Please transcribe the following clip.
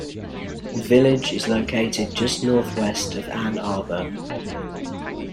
The village is located just northwest of Ann Arbor.